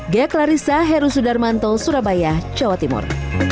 gek larissa heru sudarmanto surabaya jawa timur